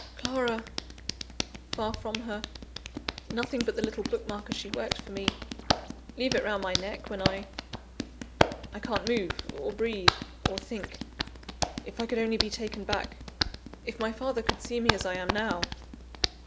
Clara! far from her nothing but the little book marker she worked for me leave it round my neck when I I can't move, or breathe, or think if I could only be taken back if my father could see me as I am now!